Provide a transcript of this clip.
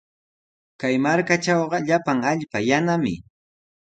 Kay markatrawqa llapan allpa yanami.